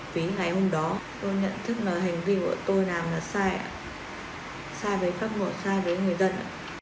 vì ngày hôm đó tôi nhận thức là hành vi của tôi làm là sai sai với pháp ngộ sai với người dân